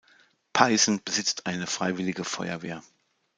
Peißen besitzt eine Freiwillige Feuerwehr.